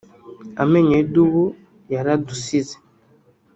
amenyo y’idubu yaradusize